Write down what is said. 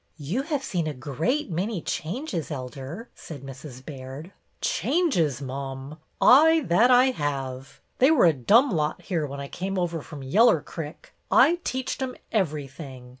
" You have seen a great many changes. Elder," said Mrs. Baird. " Changes, Mum ! Aye, that I have. They were a dumb lot here, when I came over from Yeller Crick. I teached 'em every thing.